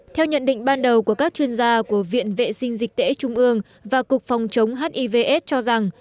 theo nhận định ban đầu của các chuyên gia của viện vệ sinh dịch tễ trung mương và cục phòng chống hivs cho rằng